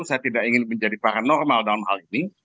saya tidak ingin menjadi paranormal dalam hal ini